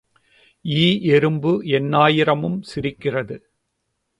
ஈ எறும்பு எண்ணாயிரமும் சிரிக்கிறது.